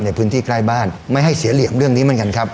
ในพื้นที่ใกล้บ้านไม่ให้เสียเหลี่ยมเรื่องนี้เหมือนกันครับ